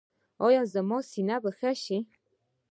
ایا زما سینه به ښه شي؟